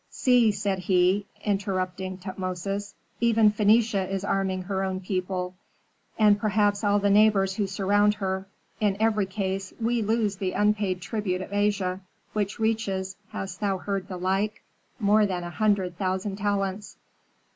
"See," said he, interrupting Tutmosis, "even Phœnicia is arming her own people, and perhaps all the neighbors who surround her; in every case, we lose the unpaid tribute of Asia, which reaches hast thou heard the like? more than a hundred thousand talents."